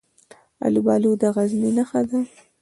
الوبالو د غزني نښه ده.